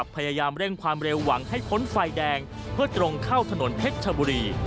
เพื่อตรงเข้าถนนเพชรชบุรี